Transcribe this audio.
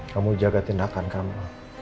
kamu jaga tindakan kamu